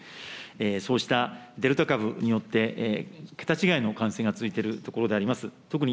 そうしたデルタ株によって桁違いの感染が続いているところであります。